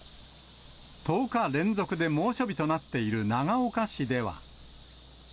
１０日連続で猛暑日となっている長岡市では。